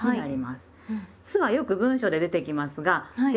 「す」はよく文章で出てきますが「です」